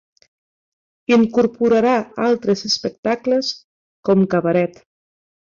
Incorporà altres espectacles com cabaret.